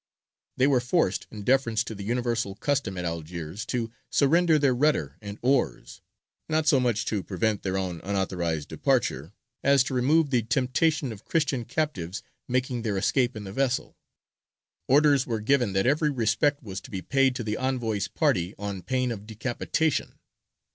They were forced, in deference to the universal custom at Algiers, to surrender their rudder and oars, not so much to prevent their own unauthorized departure, as to remove the temptation of Christian captives making their escape in the vessel. Orders were given that every respect was to be paid to the envoy's party on pain of decapitation.